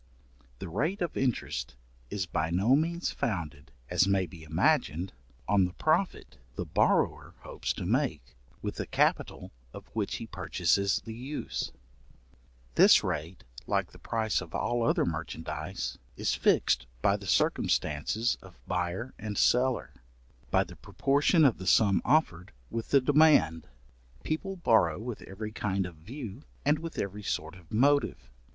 The rate of interest is by no means founded, as may be imagined, on the profit the borrower hopes to make, with the capital of which he purchases the use. This rate like the price of all other merchandize, is fixed by the circumstances of buyer and seller; by the proportion of the sum offered with the demand. People borrow with every kind of view, and with every sort of motive.